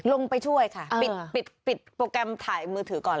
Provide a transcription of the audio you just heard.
ลงไปช่วยค่ะปิดปิดโปรแกรมถ่ายมือถือก่อน